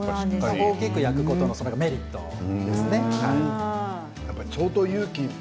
大きく焼くことのメリットですね。